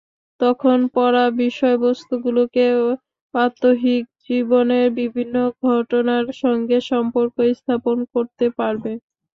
তখন পড়া বিষয়বস্তুগুলোকে প্রাত্যহিক জীবনের বিভিন্ন ঘটনার সঙ্গে সম্পর্ক স্থাপন করতে পারবে।